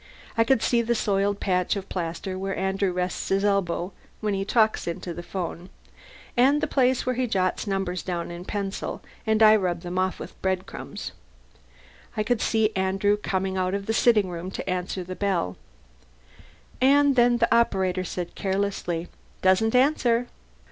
I could see the soiled patch of plaster where Andrew rests his elbow when he talks into the 'phone, and the place where he jots numbers down in pencil and I rub them off with bread crumbs. I could see Andrew coming out of the sitting room to answer the bell. And then the operator said carelessly, "Doesn't answer."